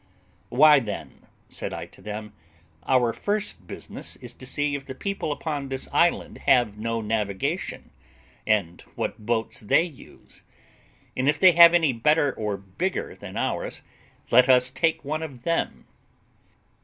"Why then," said I to them, "our first business is to see if the people upon this island have no navigation, and what boats they use; and, if they have any better or bigger than ours, let us take one of them."